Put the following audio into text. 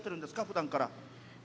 ふだんから。